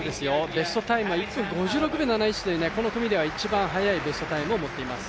ベストタイムが１分５６秒７１というこの組では一番速いベストタイムを持っています。